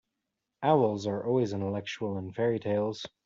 Owls are always intellectual in fairy-tales.